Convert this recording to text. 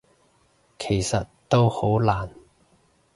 其實都好難